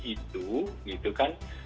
itu gitu kan